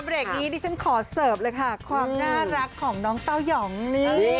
เบรกนี้ดิฉันขอเสิร์ฟเลยค่ะความน่ารักของน้องเต้ายองนี่